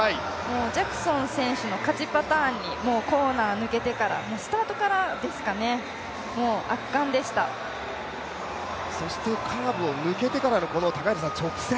ジャクソン選手の勝ちパターンにもうコーナー抜けてから、スタートからですかね、圧巻でしたそしてカーブを抜けてからの、この直線。